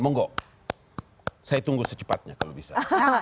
monggo saya tunggu secepatnya kalau bisa